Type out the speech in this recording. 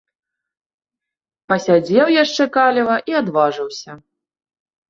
Пасядзеў яшчэ каліва і адважыўся.